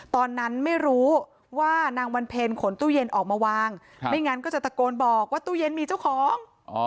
ตอนนั้นไม่รู้ว่านางวันเพ็ญขนตู้เย็นออกมาวางไม่งั้นก็จะตะโกนบอกว่าตู้เย็นมีเจ้าของ